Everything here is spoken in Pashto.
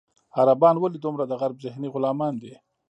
عربان ولې دومره د غرب ذهني غلامان دي.